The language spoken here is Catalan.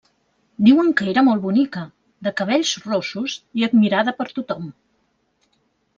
Diuen que era molt bonica, de cabells rossos i admirada per tothom.